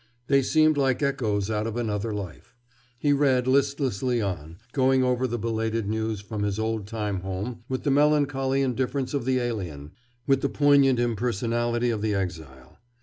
They seemed like echoes out of another life. He read listlessly on, going over the belated news from his old time home with the melancholy indifference of the alien, with the poignant impersonality of the exile.